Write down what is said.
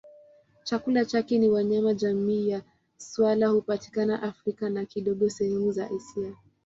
Chakula chake ni wanyama jamii ya swala hupatikana Afrika na kidogo sehemu za Asia.